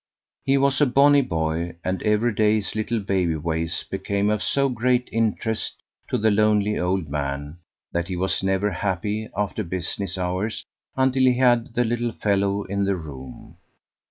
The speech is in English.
He was a bonny boy, and every day his little baby ways became of so great interest to the lonely old man, that he was never happy after business hours until he had the little fellow in the room.